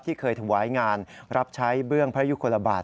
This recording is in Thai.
เคยถวายงานรับใช้เบื้องพระยุคลบาท